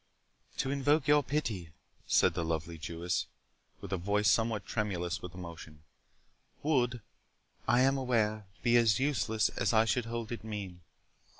"To invoke your pity," said the lovely Jewess, with a voice somewhat tremulous with emotion, "would, I am aware, be as useless as I should hold it mean.